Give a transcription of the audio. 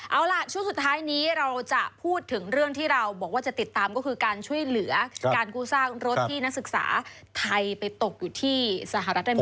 เอาล่ะช่วงสุดท้ายนี้เราจะพูดถึงเรื่องที่เราบอกว่าจะติดตามก็คือการช่วยเหลือการกู้ซากรถที่นักศึกษาไทยไปตกอยู่ที่สหรัฐอเมริ